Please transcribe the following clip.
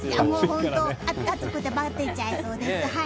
本当、暑くてばてちゃいそうです。